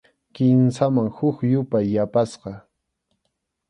Kimsaman huk yupay yapasqa.